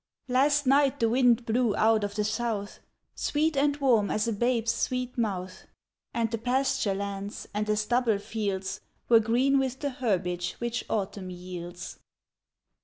AST night the wind blew out of the south, Sweet and warm as a babe's sweet mouth, And the pasture lands and the stubble fields. Were green with the herbage which Autumn yields.